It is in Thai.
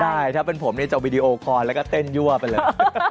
ใช่ถ้าเป็นผมเนี่ยจะวิดีโอคอลแล้วก็เต้นยั่วไปเลย